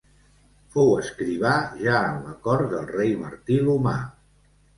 Fou escrivà ja en la cort del rei Martí l'Humà.